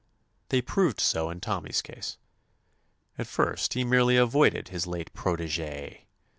They proved so in Tommy's case. At first he merely avoided his late protege.